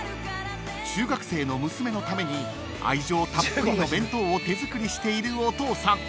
［中学生の娘のために愛情たっぷりの弁当を手作りしているお父さん］